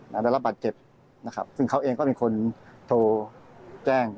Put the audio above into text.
ได้รับบาดเจ็บนะครับซึ่งเขาเองก็เป็นคนโทรแจ้ง